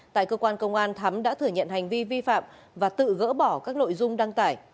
tại cơ quan công an thắm đã thừa nhận hành vi vi phạm và tự gỡ bỏ các nội dung đăng tải